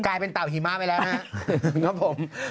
กลายเป็นเต่าหิมะไปแล้วครับ